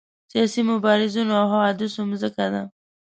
سیاسي مبارزینو او حوادثو مځکه ده.